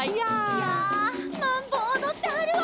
「いゃあマンボおどってはるわ」